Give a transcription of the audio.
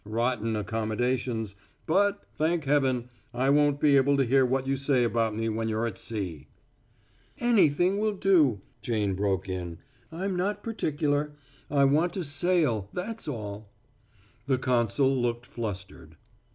Rotten accommodations, but thank Heaven I won't be able to hear what you say about me when you're at sea." "Anything will do," Jane broke in. "I'm not particular. I want to sail that's all." The consul looked flustered.